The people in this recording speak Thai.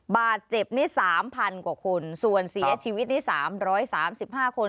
บาดเจ็บนี่๓๐๐กว่าคนส่วนเสียชีวิตนี่๓๓๕คน